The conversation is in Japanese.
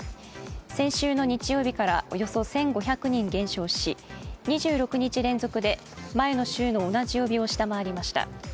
先週の日曜日からおよそ１５００人減少し、２６日連続で前の週の同じ曜日を下回りました。